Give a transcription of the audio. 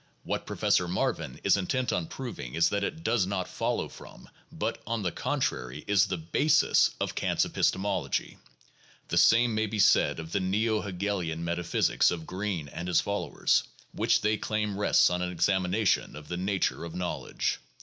What Professor Marvin is intent on proving is that it does not follow from, but, on the contrary, is the basis of Kant's epistemology. The same may be said of the neo Hegelian metaphysics of Greene and his followers, which they claim rests on an examination of the nature of knowledge.